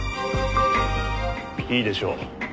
いいでしょう。